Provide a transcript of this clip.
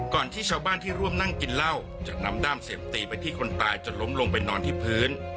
ที่ชาวบ้านที่ร่วมนั่งกินเหล้าจะนำด้ามเสียบตีไปที่คนตายจนล้มลงไปนอนที่พื้น